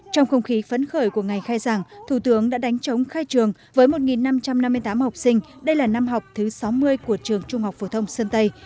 trong không khí phấn khởi của ngày khai giảng thủ tướng đã đánh trống khai trường với một năm trăm năm mươi tám học sinh đây là năm học thứ sáu mươi của trường trung học phổ thông sơn tây